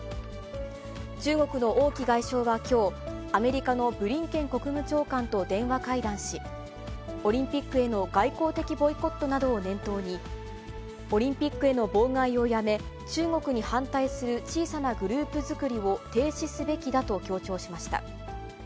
中国の王毅外相はきょう、アメリカのブリンケン国務長官と電話会談し、オリンピックへの外交的ボイコットなどを念頭に、オリンピックへの妨害をやめ、中国に反対する小さなグループ作りを停止すべきだと強調しました。